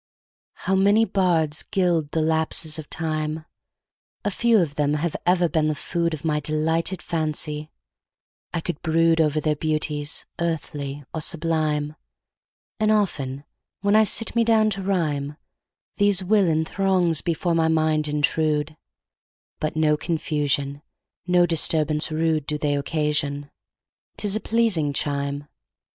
HOW many bards gild the lapses of time!A few of them have ever been the foodOf my delighted fancy,—I could broodOver their beauties, earthly, or sublime:And often, when I sit me down to rhyme, These will in throngs before my mind intrude:But no confusion, no disturbance rudeDo they occasion; 'tis a pleasing chime.